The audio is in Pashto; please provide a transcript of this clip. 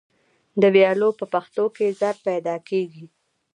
د ویالو په پشتو کې زرۍ پیدا کیږي.